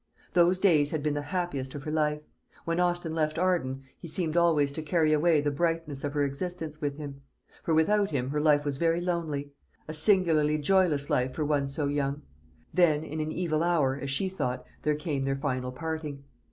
Those days had been the happiest of her life. When Austin left Arden, he seemed always to carry away the brightness of her existence with him; for without him her life was very lonely a singularly joyless life for one so young. Then, in an evil hour, as she thought, there came their final parting.